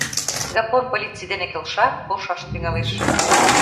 Гапон полиций дене келша, полшаш тӱҥалеш.